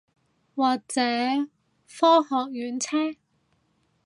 或者科學園車